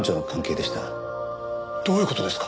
どういう事ですか？